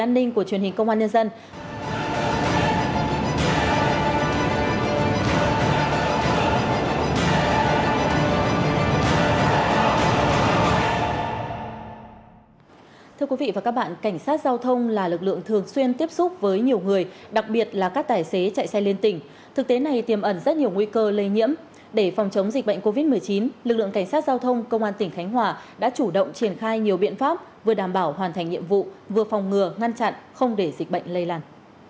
để phòng chống dịch bệnh covid một mươi chín lực lượng cảnh sát giao thông công an tỉnh khánh hòa đã chủ động triển khai nhiều biện pháp vừa đảm bảo hoàn thành nhiệm vụ vừa phòng ngừa ngăn chặn không để dịch bệnh lây làn